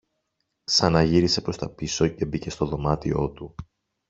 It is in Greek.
Ξαναγύρισε προς τα πίσω και μπήκε στο δωμάτιό του